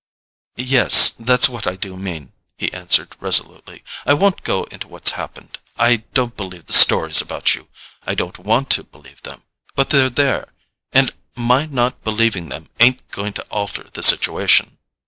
"Yes; that's what I do mean," he answered resolutely. "I won't go into what's happened. I don't believe the stories about you—I don't WANT to believe them. But they're there, and my not believing them ain't going to alter the situation."